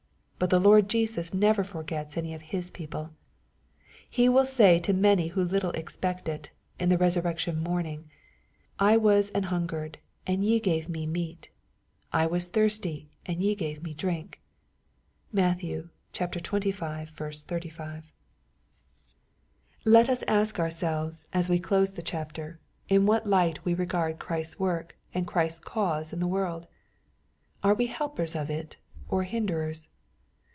But the Lord Jesus never forgets any of His people He will say to many who little expect it, in the resurrection morning, " I wag an hungered, and ye gave me meat : I was thirsty, and jre gave me drink." (Matt. xxv. 35.) 108 EXrOSITOBT THOnOHTS. Let us ask ourselves, as we close the chapter, in what light we regard Christ's work and Christ's cause in the world ? Are we helpers of it, or hinderers